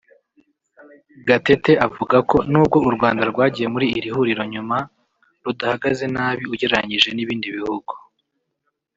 Gatete avuga ko n’ubwo u Rwanda rwagiye muri iri huriro nyuma rudahagaze nabi ugereranyije n’ibindi bihugu